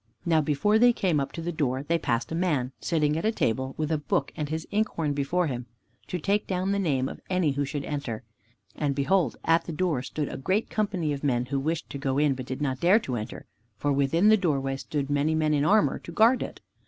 Now before they came up to the door, they passed a man, sitting at a table, with a book and his inkhorn before him, to take down the name of any who should enter. And, behold, at the door stood a great company of men, who wished to go in, but did not dare to enter, for within the doorway stood many men in armor to guard it.